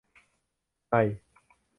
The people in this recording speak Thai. ใน